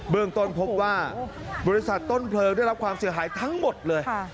เรื่องต้นพบว่าบริษัทต้นเพลิงได้รับความเสียหายทั้งหมดเลย